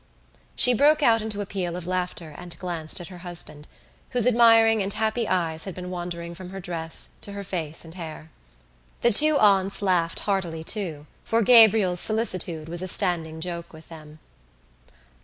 She broke out into a peal of laughter and glanced at her husband, whose admiring and happy eyes had been wandering from her dress to her face and hair. The two aunts laughed heartily too, for Gabriel's solicitude was a standing joke with them.